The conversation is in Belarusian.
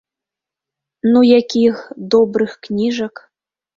Ну якіх, добрых кніжак.